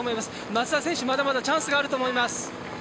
松田選手、まだまだチャンスがあると思います。